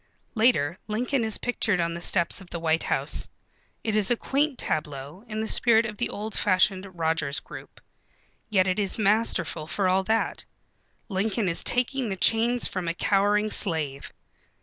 Later Lincoln is pictured on the steps of the White House. It is a quaint tableau, in the spirit of the old fashioned Rogers group. Yet it is masterful for all that. Lincoln is taking the chains from a cowering slave.